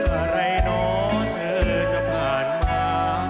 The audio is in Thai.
อะไรเนาะเธอจะผ่านมา